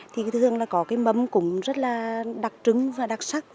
thường có mâm đặc trứng và đặc sắc